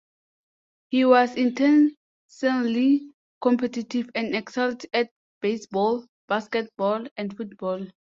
He was intensely competitive and excelled at baseball, basketball, and football.